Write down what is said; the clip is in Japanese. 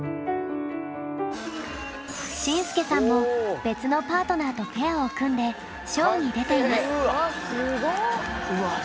進陪さんも別のパートナーとペアを組んでショーに出ています。